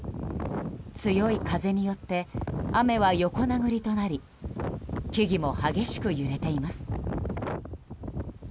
強い風によって雨は横殴りとなり木々も激しく揺れています。